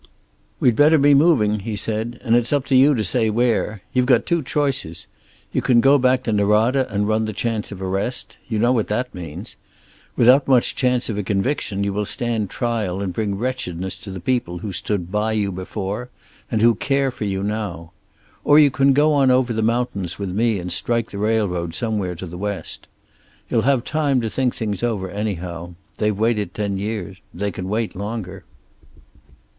"We'd better be moving," he said, "and it's up to you to say where. You've got two choices. You can go back to Norada and run the chance of arrest. You know what that means. Without much chance of a conviction you will stand trial and bring wretchedness to the people who stood by you before and who care for you now. Or you can go on over the mountains with me and strike the railroad somewhere to the West. You'll have time to think things over, anyhow. They've waited ten years. They can wait longer."